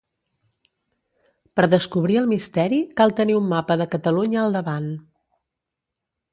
Per descobrir el misteri cal tenir un mapa de Catalunya al davant.